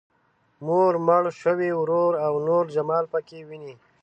مور، مړ شوی ورور او نور جمال پکې ويني.